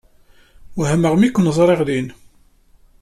Wehmeɣ mi ken-ẓriɣ din.